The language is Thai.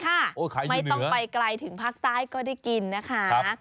ขายอยู่เหนือไม่ต้องไปไกลถึงภาคใต้ก็ได้กินนะคะ